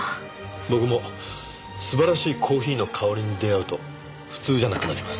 僕も素晴らしいコーヒーの香りに出会うと普通じゃなくなります。